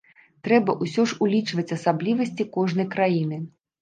Трэба ўсё ж улічваць асаблівасці кожнай краіны.